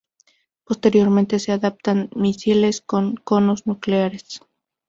Posteriormente se adaptaron misiles con conos nucleares.